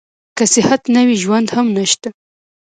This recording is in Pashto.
که صحت نه وي ژوند هم نشته.